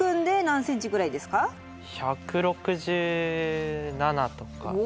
１６７とか。